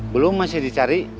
belum masih dicari